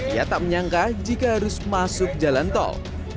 ia tak menyangka jika harus masuk jalan tol